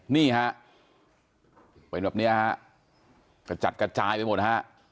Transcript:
นี่ฮะเป็นแบบเนี้ยฮะกระจัดกระจายไปหมดฮะ